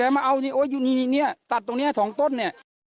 มาเอาอุ๊ยตัดตรงนี้๒ต้นเนี่ย